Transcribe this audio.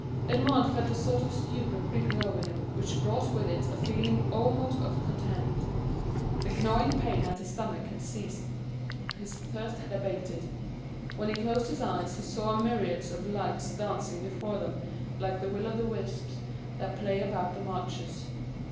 Edmond felt a sort of stupor creeping over him which brought with it a feeling almost of content; the gnawing pain at his stomach had ceased; his thirst had abated; when he closed his eyes he saw myriads of lights dancing before them like the will o' the wisps that play about the marshes.